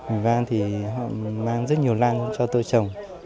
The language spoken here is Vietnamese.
ủy ban thì họ mang rất nhiều lang cho tôi trồng